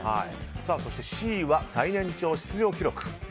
そしてＣは最年長出場記録。